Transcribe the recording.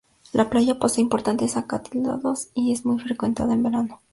La playa posee importantes acantilados y es muy frecuentada en verano.